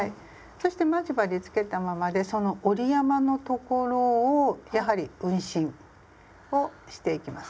そして待ち針つけたままでその折り山の所をやはり運針をしていきます。